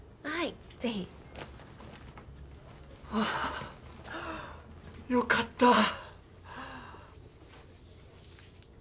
はあよかった。